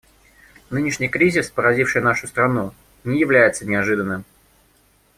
Нынешний кризис, поразивший нашу страну, не является неожиданным.